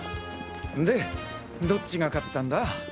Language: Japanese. んでどっちが勝ったんだ？